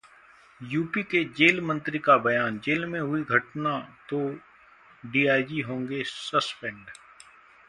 UP के jail मंत्री का बयान- जेल में हुई घटना तो डीआईजी होंगे सस्पेंड